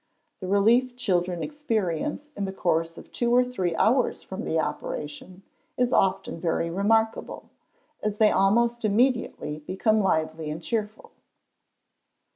The relief children experience in the course of two or three hours from the operation is often very remarkable, as they almost immediately become lively and cheerful.